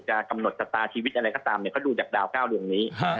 กำหนดชะตาชีวิตอะไรก็ตามเขาดูจากดาว๙ดวงนี้